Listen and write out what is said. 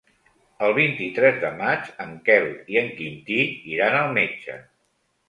El vint-i-tres de maig en Quel i en Quintí iran al metge.